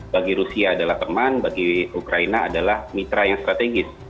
bagi rusia adalah teman bagi ukraina adalah mitra yang strategis